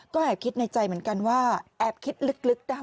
ก็แอบคิดในใจเหมือนกันว่าแอบคิดลึกนะคะ